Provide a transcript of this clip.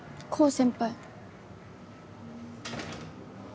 先輩